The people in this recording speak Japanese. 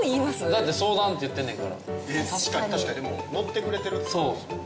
だって相談って言ってんねんから確かに確かにもう乗ってくれてるってことですよね